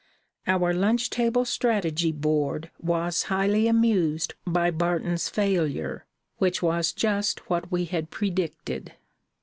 Our lunch table strategy board was highly amused by Barton's failure, which was just what we had predicted.